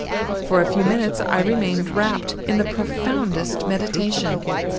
For a few minutes I remained wrapped in the profoundest meditation.